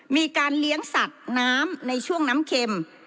มีการเลี้ยงสัตว์น้ำในช่วงน้ำเข็ม